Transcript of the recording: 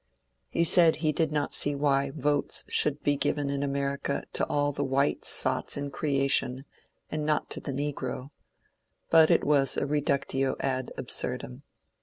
He said he did not see why votes should be given in America to all the white sots in creation and not to the negro, — but it was a redtictio ad absurdum.